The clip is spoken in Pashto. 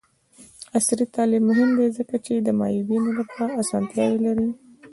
عصري تعلیم مهم دی ځکه چې د معیوبینو لپاره اسانتیاوې لري.